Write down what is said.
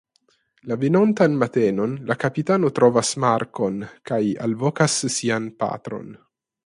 La venontan matenon la kapitano trovas Marko'n kaj alvokas sian patron.